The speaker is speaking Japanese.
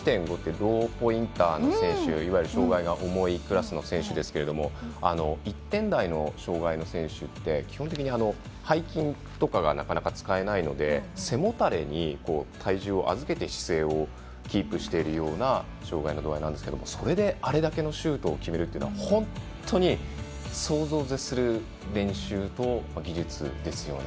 ローポインターの選手障がいが重いクラスの選手ですけど１点台の障がいの選手って基本的に背筋とかがなかなか使えないので背もたれに体重を預けて姿勢をキープしているような障がいの度合いなんですけどそれであれだけのシュートを決めるというのは本当に想像を絶する練習と技術ですよね。